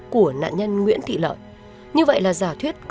có thể đưa ra giả thuyết